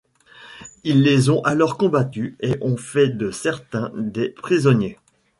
Ils les ont alors combattus et ont fait de certains des prisonniers.